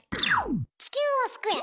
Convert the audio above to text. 地球を救え！